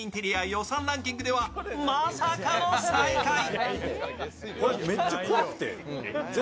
予算ランキングではまさかの最下位。